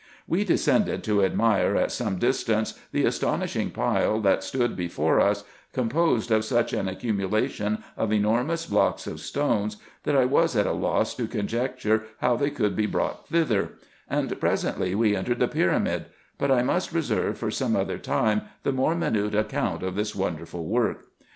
We descended to admire at some distance the astonishing pile that stood before us, composed of such an accumulation of enormous blocks of stones, that I was at a loss to conjecture how they could be brought thither ; and presently we entered the pyramid : but I must reserve for some other time the more minute account of this wonderful work.